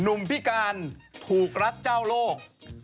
หนุ่มพิการถูกรัดเจ้าโลก